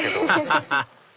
ハハハ！